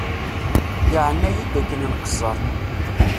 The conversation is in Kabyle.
Yeɛna-iyi-d akken nqesser.